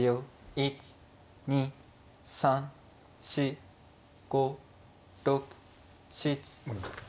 １２３４５６７。